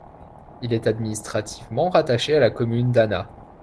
Il est administrativement rattaché à la commune d'Anaa.